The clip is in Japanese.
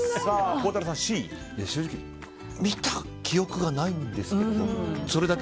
正直見た記憶がないんですけど。